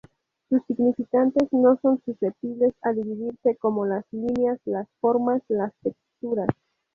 Sus significantes no son susceptibles a dividirse, como las líneas, las formas, las texturas.